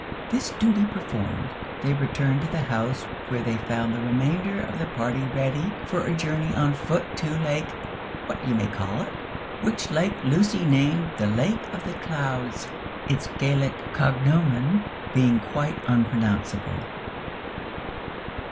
This duty performed, they returned to the house, where they found the remainder of the party ready for a journey on foot to Lake "What you may call it," which lake Lucy named the Lake of the Clouds, its Gaelic cognomen being quite unpronounceable.